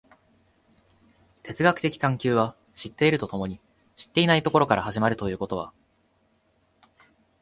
哲学的探求は知っていると共に知っていないところから始まるということは、